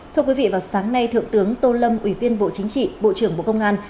thưa quý vị vào sáng nay thượng tướng tô lâm ủy viên bộ chính trị bộ trưởng bộ công an